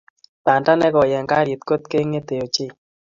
Bandoo ne koi eng garit kot keng'etei ochei.